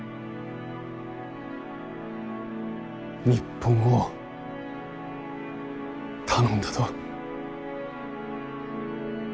日本を頼んだど。